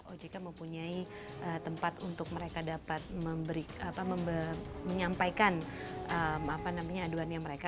ojk mempunyai tempat untuk mereka dapat menyampaikan aduannya mereka